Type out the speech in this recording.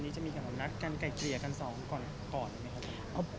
จะมีขนมรักกันไก่เกลี่ยกันสองก่อนไหมครับ